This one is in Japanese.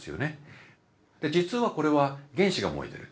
実はこれは原子が燃えてる。